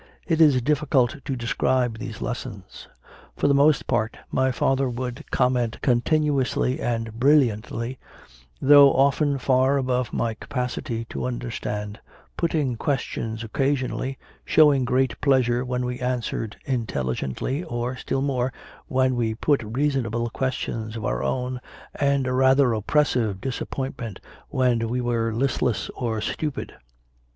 It is difficult to describe these lessons. For the most part my father would comment con tinuously and brilliantly, though often far above my capacity to understand, putting questions occasion ally, showing great pleasure when we answered intelligently, or, still more, when we put reasonable questions of our own, and a rather oppressive dis appointment when we were listless or stupid.